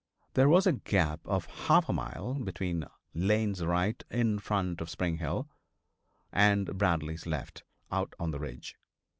There was a gap of half a mile between Lane's right in front of Spring Hill and Bradley's left, out on the ridge.